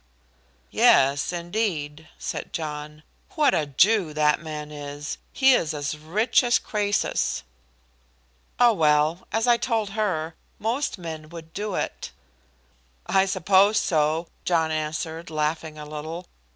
"Yes, indeed," said John. "What a Jew that man is! He is as rich as Croesus." "Oh, well, as I told her, most men would do it." "I suppose so," John answered, laughing a little.